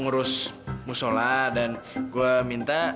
gue beli minum ke posisinya